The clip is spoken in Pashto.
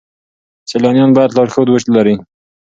سیلانیان باید لارښود ولرئ.